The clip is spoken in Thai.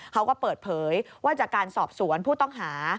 เขาก็เปิดเผยว่าจากการสอบสวนผู้ต้องหา